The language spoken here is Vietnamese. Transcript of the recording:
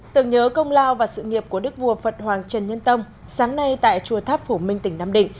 tưởng nhớ công lao và sự nghiệp của đức vua phật hoàng trần nhân tông sáng nay tại chùa tháp phủ minh tỉnh nam định